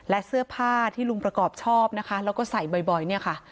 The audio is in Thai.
และเสื้อผ้าที่ลุงประกอบชอบนะคะแล้วก็ใส่บ่อยเนี่ยค่ะ